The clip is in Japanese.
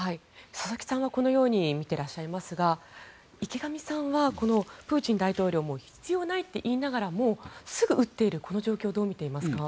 佐々木さんはこのように見ていらっしゃいますが池上さんはこのプーチン大統領必要ないと言いながらすぐ撃っているこの状況をどう見ていますか？